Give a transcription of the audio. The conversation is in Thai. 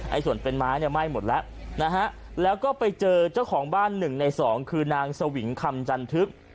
ส่วนเป็นไม้เนี่ยไหม้หมดแล้วนะฮะแล้วก็ไปเจอเจ้าของบ้านหนึ่งในสองคือนางสวิงคำจันทึก